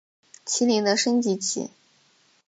麒麟的升级棋。